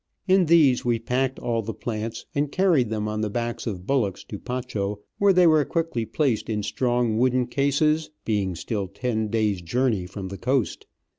In these we packed all the plants, and carried them on the backs of bullocks to Pacho, where they were quickly placed in strong wooden cases, being still ten days' journey from the coast.